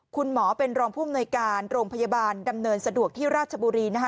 คุณหมอเป็นรองผู้อำนวยการโรงพยาบาลดำเนินสะดวกที่ราชบุรีนะคะ